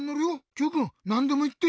Ｑくんなんでもいって。